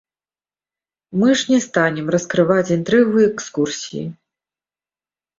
Мы ж не станем раскрываць інтрыгу экскурсіі.